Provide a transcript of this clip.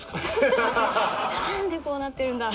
「何でこうなってるんだ」